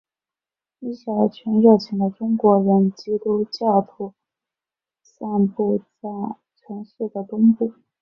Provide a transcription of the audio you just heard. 一小群热情的中国人基督徒散布在城市的东部。